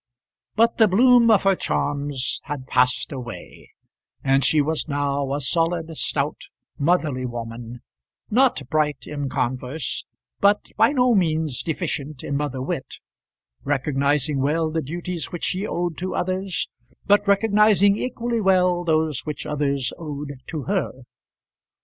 But the bloom of her charms had passed away, and she was now a solid, stout, motherly woman, not bright in converse, but by no means deficient in mother wit, recognizing well the duties which she owed to others, but recognizing equally well those which others owed to her.